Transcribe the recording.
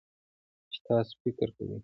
چې تاسو فکر کوئ